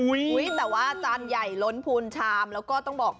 แต่ว่าจานใหญ่ล้นพูนชามแล้วก็ต้องบอก